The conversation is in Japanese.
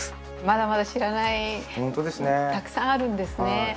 まだまだ知らないたくさんあるんですね。